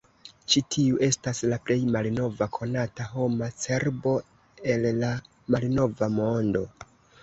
Ĉi tiu estas la plej malnova konata homa cerbo el la Malnova Mondo.